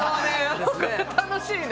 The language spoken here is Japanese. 楽しいね。